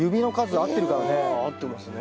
あ合ってますね。